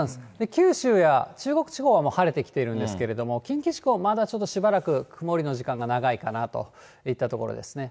九州や中国地方はもう晴れてきているんですけれども、近畿地方はまだちょっとしばらく曇りの時間が長いかなといったところですね。